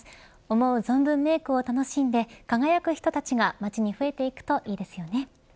思う存分メークを楽しんで輝く人たちが街に増えていくといいですよね。